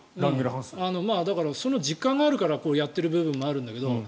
だから、その実感があるからやっている部分があるんだけど。